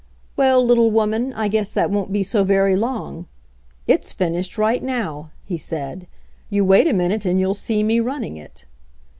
"Well, little woman, I guess that won't be so very long. It's finished right now," he said. "You wait a minute and you'll see me running it."